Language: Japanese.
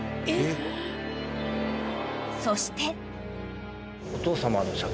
［そして］